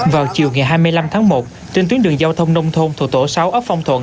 vào chiều ngày hai mươi năm tháng một trên tuyến đường giao thông nông thôn thuộc tổ sáu ấp phong thuận